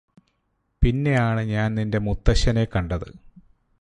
പിന്നെയാണ് ഞാന് നിന്റെ മുത്തശ്ശനെ കണ്ടത്